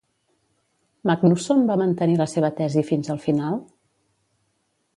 Magnússon va mantenir la seva tesi fins al final?